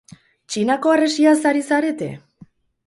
Txinako harresiaz ari zarete?